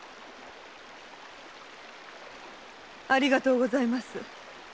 ありがとうございます。